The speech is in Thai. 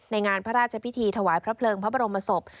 งานพระราชพิธีถวายพระเพลิงพระบรมศพ